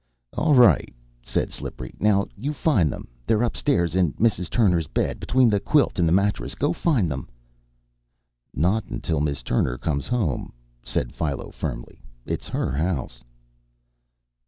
"All right," said Slippery, "now, you find them. They're upstairs in Mrs. Turner's bed, between the quilt and the mattress. Go find them." "Not until Miss Turner comes home," said Philo firmly. "It's her house."